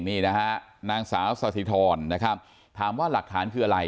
นี่นะฮะนางสาวสาธิธรนะครับถามว่าหลักฐานคืออะไร